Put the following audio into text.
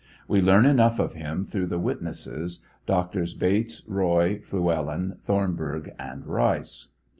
We learn enough of him through the witnesses, Drs. Bates, Roy, Flewellen, Thornburgh, and Rice.